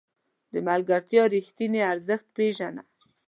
د ملګرتیا رښتیني ارزښت پېژنه.